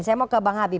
saya mau ke bang habib